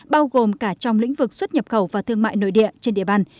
bao gồm cả trong lĩnh vực xuất nhập khẩu và thương mại nội địa trên địa bàn